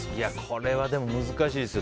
これは難しいですよ。